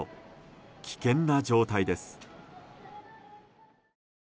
危険な状態です。